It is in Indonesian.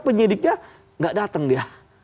penyidiknya gak datang dia